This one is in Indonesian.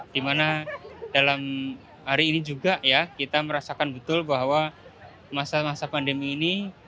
di mana dalam hari ini juga ya kita merasakan betul bahwa masa masa pandemi ini